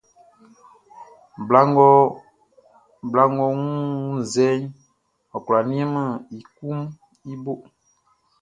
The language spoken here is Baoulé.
Bla ngʼɔ wunnzɛʼn, ɔ kwlá nianmɛn i kuanʼn i bo lɔ.